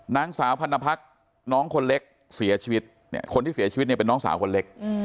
น้องสาวพันธพรรคน้องคนเล็กเสียชีวิตคนที่เสียชีวิตเป็นน้องสาวคนเล็ก